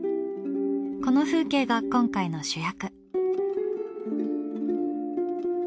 この風景が今回の主役。